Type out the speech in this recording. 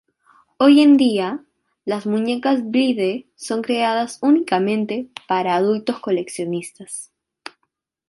Hoy en día las muñecas Blythe son creadas únicamente para adultos coleccionistas.